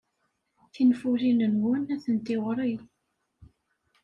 Tinfulin-nwen atenti ɣer-i.